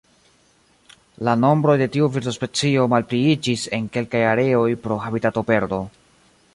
La nombroj de tiu birdospecio malpliiĝis en kelkaj areoj pro habitatoperdo.